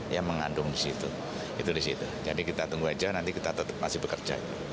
ya mengandung di situ itu di situ jadi kita tunggu aja nanti kita tetap masih bekerja